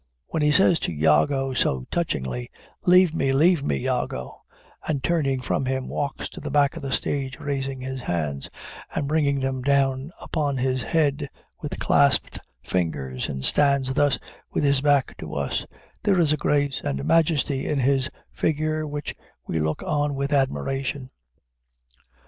When he says to Iago so touchingly, "Leave me, leave me, Iago," and, turning from him, walks to the back of the stage, raising his hands, and bringing them down upon his head, with clasped fingers, and stands thus with his back to us, there is a grace and majesty in his figure which we look on with admiration.